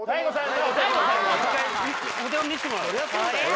お手本見せてもらおう。